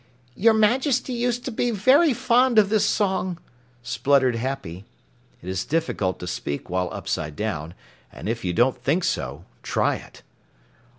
"Your Majesty used to be very fond of this song," spluttered Happy. (It is difficult to speak while upside down, and if you don't think so, try it!)